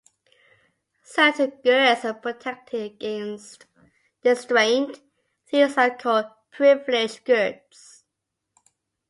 Certain goods are protected against distraint - these are called "privileged goods".